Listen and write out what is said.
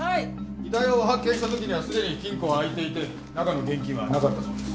遺体を発見した時にはすでに金庫は開いていて中の現金はなかったそうです。